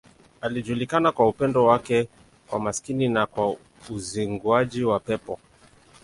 Alijulikana kwa upendo wake kwa maskini na kwa uzinguaji wa pepo.